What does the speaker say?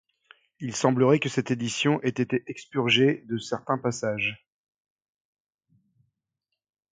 Il semblerait que cette édition ait été expurgée de certains passages.